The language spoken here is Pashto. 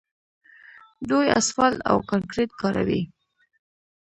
دوی اسفالټ او کانکریټ کاروي.